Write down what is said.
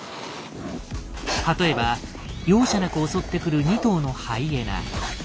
例えば容赦なく襲ってくる２頭のハイエナ。